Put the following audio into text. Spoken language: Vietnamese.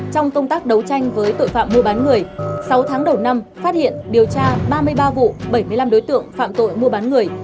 trong công tác đấu tranh với tội phạm mua bán người sáu tháng đầu năm phát hiện điều tra ba mươi ba vụ bảy mươi năm đối tượng phạm tội mua bán người